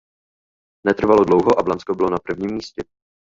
Netrvalo dlouho a Blansko bylo na prvním místě.